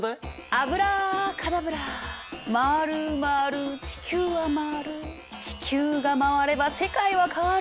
アブラカダブラ回る回る地球は回る地球が回れば世界は変わる。